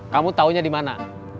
kamu taunya di mana